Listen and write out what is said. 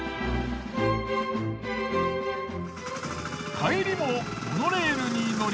帰りもモノレールに乗り。